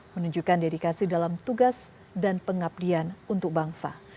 menunjukkan dedikasi dalam tugas dan pengabdian untuk bangsa